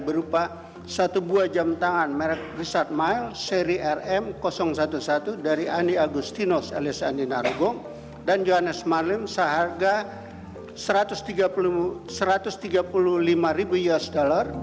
berupa satu buah jam tangan merek richard mile seri rm sebelas dari andi agustinus alias andi narogong dan johannes marlim seharga satu ratus tiga puluh lima ribu usd